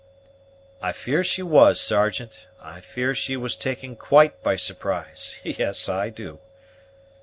"I fear she was, Sergeant; I fear she was taken quite by surprise yes, I do."